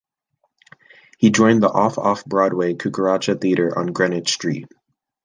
He joined the off-off-Broadway Cucaracha Theater on Greenwich Street.